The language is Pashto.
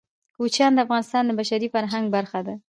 کوچیان د افغانستان د بشري فرهنګ برخه ده.